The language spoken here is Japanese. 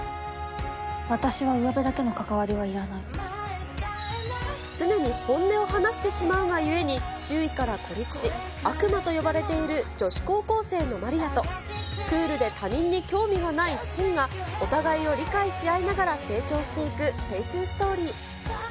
私はうわべだけの関わりはい常に本音を話してしまうがゆえに周囲から孤立し、悪魔と呼ばれている女子高校生のマリアと、クールで他人に興味がない伸が、お互いを理解し合いながら成長していく青春ストーリー。